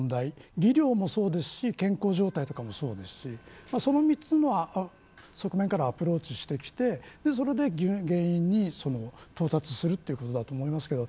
技量もそうですし健康状態とかもそうですしその３つの側面からアプローチをしてそれで原因に到達するということだと思うんですけど